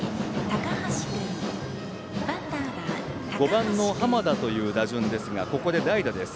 ５番の濱田だという打順ですがここで代打です。